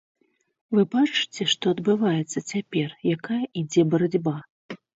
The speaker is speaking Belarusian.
Вы бачыце, што адбываецца цяпер, якая ідзе барацьба.